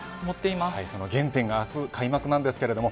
その原点が明日開幕です。